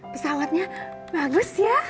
pesawatnya bagus ya